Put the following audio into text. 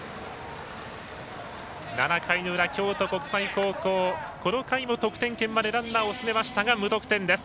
７回の裏、京都国際高校この回も得点圏までランナーを進めましたが無得点です。